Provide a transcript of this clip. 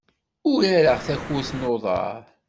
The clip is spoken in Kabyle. Urareɣ takurt n uḍar.